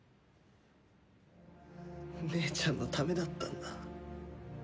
姉ちゃんのためだったんだ。